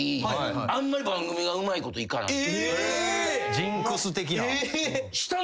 ジンクス的な。